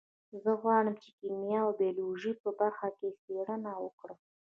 زه غواړم چې د کیمیا او بیولوژي په برخه کې څیړنه وکړم